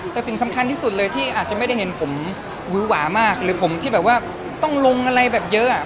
แต่สิ่งสำคัญที่สุดเลยที่อาจจะไม่ได้เห็นผมวื้อหวามากหรือผมที่แบบว่าต้องลงอะไรแบบเยอะอ่ะ